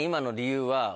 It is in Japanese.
Ａの理由は？